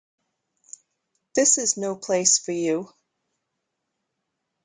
This is no place for you.